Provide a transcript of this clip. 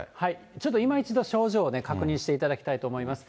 ちょっと今一度症状を確認していただきたいと思います。